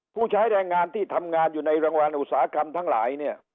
ผู้ใช้แรงงานที่ทำงานอยู่ในรางวัลอุตสาหกรรมทั้งหลายเนี่ย